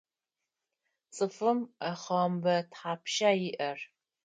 Цӏыфым ӏэхъомбэ тхьапша иӏэр?